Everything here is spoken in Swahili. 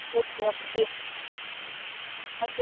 Haki ndani ya inchi yetu aiangalie jinsia